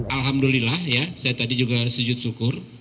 alhamdulillah ya saya tadi juga sujud syukur